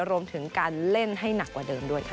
รวมถึงการเล่นให้หนักกว่าเดิมด้วยค่ะ